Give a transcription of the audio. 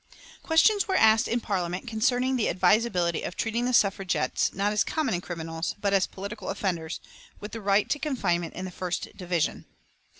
Questions were asked in Parliament concerning the advisability of treating the Suffragettes not as common criminals but as political offenders with the right to confinement in the First Division.